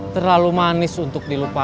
terlalu manis untuk dilupakan